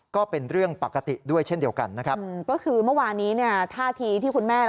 ก็เป็นเรื่องปกติด้วยเช่นเดียวกันนะครับ